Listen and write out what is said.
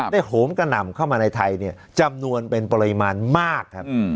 โหมกระหน่ำเข้ามาในไทยจำนวนเป็นปริมาณมากครับ